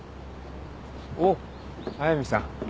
おっ速見さん。